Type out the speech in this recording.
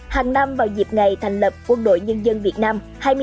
hàng năm vào dịp ngày thành lập quân đội nhân dân việt nam